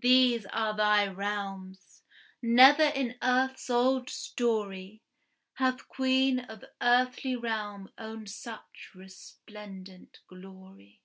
These are thy realms. Never in earth's old story Hath queen of earthly realm owned such resplendent glory.